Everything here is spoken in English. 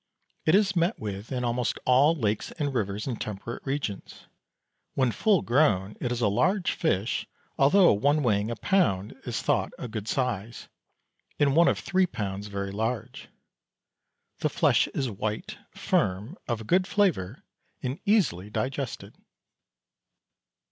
It is met with in almost all lakes and rivers in temperate regions. When full grown it is a large fish, although one weighing a pound is thought a good size, and one of three pounds very large. The flesh is white, firm, of a good flavour, and easily digested.